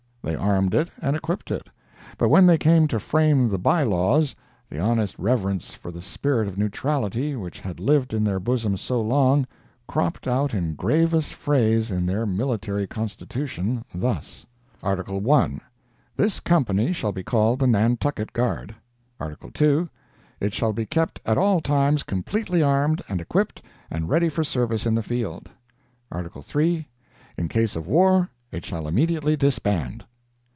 They armed it and equipped it. But when they came to frame the by laws, the honest reverence for the spirit of neutrality, which had lived in their bosoms so long, cropped out in gravest phrase in their Military Constitution, thus: "ARTICLE I.—This Company shall be called the Nantucket Guard. "ARTICLE II.—It shall be kept at all times completely armed and equipped and ready for service in the field. "ARTICLE III.—In case of war, it shall immediately disband!"